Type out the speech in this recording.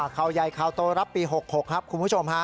ข่าวใหญ่ข่าวโตรับปี๖๖ครับคุณผู้ชมฮะ